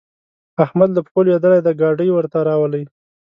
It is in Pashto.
احمد له پښو لوېدلی دی؛ ګاډی ورته راولي.